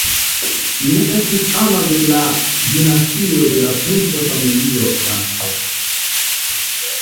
Li estis ano de la dinastio de la princa familio Orange.